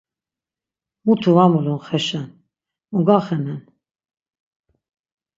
Mutu var mulun xeşen, mu gaxenen.